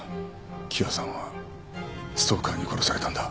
喜和さんはストーカーに殺されたんだ。